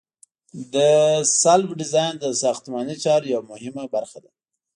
د سلب ډیزاین د ساختماني چارو یوه مهمه برخه ده